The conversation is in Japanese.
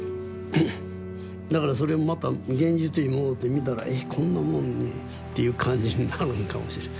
だからそれもまた現実に戻って見たらえっこんなもんに？っていう感じになるんかもしれん。